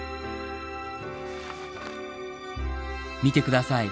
見てください。